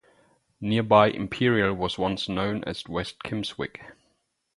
Nearby Imperial was once known as West Kimmswick.